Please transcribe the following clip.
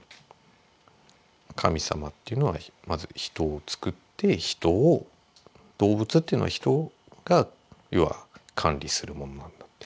神様っていうのはまず人をつくって人を動物っていうのは人が要は管理するものなんだって。